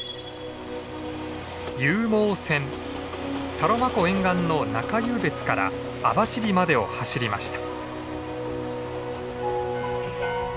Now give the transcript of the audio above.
サロマ湖沿岸の中湧別から網走までを走りました。